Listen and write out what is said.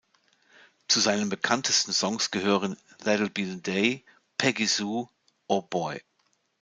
Zu seinen bekanntesten Songs gehören "That’ll Be the Day," "Peggy Sue," "Oh Boy!